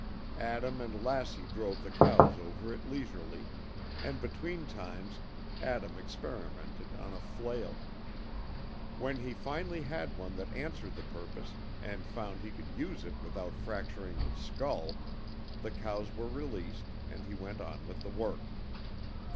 Adam and Lassie drove the cows over it leisurely, and between times Adam experimented on a flail. When he finally had one that answered the purpose, and found he could use it without fracturing his skull, the cows were released, and he went on with the work.